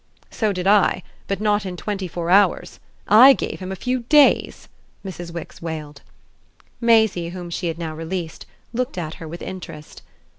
"So did I; but not in twenty four hours. I gave him a few days!" Mrs. Wix wailed. Maisie, whom she had now released, looked at her with interest.